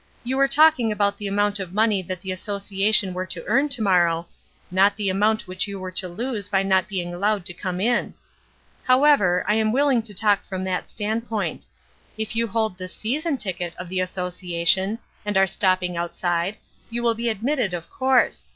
"You were talking about the amount of money that the Association were to earn to morrow, not the amount which you were to lose by not being allowed to come in. However, I am willing to talk from that standpoint. If you hold the season ticket of the Association, and are stopping outside, you will be admitted, of course.